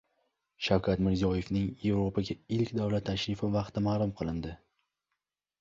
Shavkat Mirziyoyevning Yevropaga ilk davlat tashrifi vaqti ma’lum qilindi